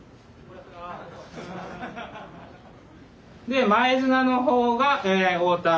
で前綱の方が太田。